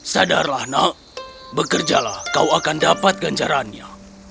sadarlah nak bekerjalah kau akan dapat ganjarannya